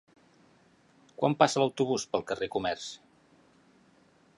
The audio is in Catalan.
Quan passa l'autobús pel carrer Comerç?